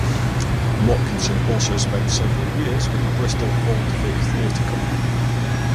Watkinson also spent several years with the Bristol Old Vic Theatre company.